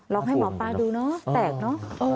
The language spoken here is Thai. ลองให้หมอปลาดูนะแตกนะ